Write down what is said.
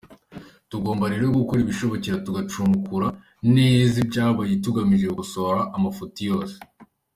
Tugomba rero gukora ibishoboka tugacukumbura neza ibyabaye tugamije gukosora amafuti yose.